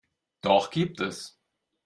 Doch gibt es.